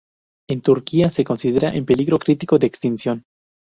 En Turquía se considera en peligro crítico de extinción.